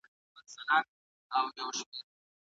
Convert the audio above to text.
خپل تولیدات په مناسب قیمت بازار ته وړاندې کړئ.